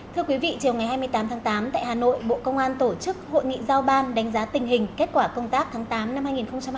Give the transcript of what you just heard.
thưa quý vị chiều ngày hai mươi tám tháng tám tại hà nội bộ công an tổ chức hội nghị giao ban đánh giá tình hình kết quả công tác tháng tám năm hai nghìn hai mươi ba